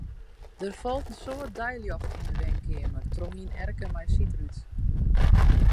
Der falt in soad deiljocht yn 'e wenkeamer troch in erker mei sydrút.